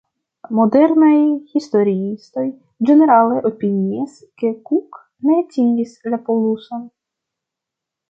Modernaj historiistoj ĝenerale opinias, ke Cook ne atingis la poluson.